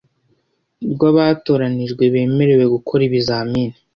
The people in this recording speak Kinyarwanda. rw’abatoranijwe bemerewe gukora ibizamini,